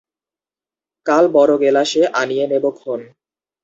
কাল বড় গেলাসে আনিয়ে নেব ক্ষণ।